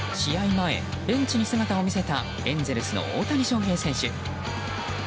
前、ベンチに姿を見せたエンゼルスの大谷翔平選手。